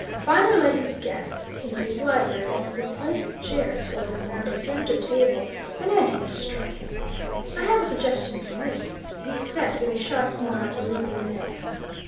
Viner led his guests into his library, and as he placed chairs for them round a centre table, an idea struck him. "I have a suggestion to make," he said with a shy smile at the legal men.